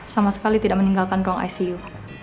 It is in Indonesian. sama sekali tidak meninggalkan ruang icu